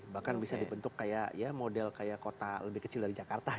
bahkan bisa dibentuk kayak ya model kayak kota lebih kecil dari jakarta